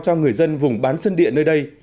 cho người dân vùng bán sân địa nơi đây